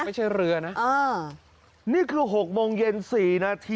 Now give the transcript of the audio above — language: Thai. ไม่ใช่เรือนะอ่ะ